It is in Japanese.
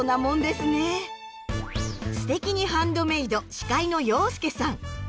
「すてきにハンドメイド」司会の洋輔さん。